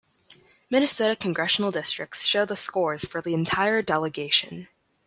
Minnesota Congressional Districts shows the scores for the entire delegation.